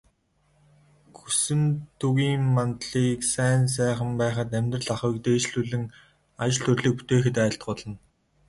Гүсэнтүгийн мандлыг сайн сайхан байхад, амьдрал ахуйг дээшлүүлэн, ажил төрлийг бүтээхэд айлтгуулна.